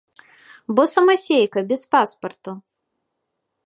Бо самасейка, без паспарту.